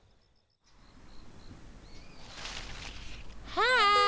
はい！